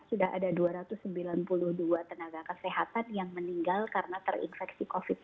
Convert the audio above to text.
sudah ada dua ratus sembilan puluh dua tenaga kesehatan yang meninggal karena terinfeksi covid sembilan belas